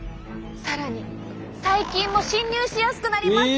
更に細菌も侵入しやすくなります。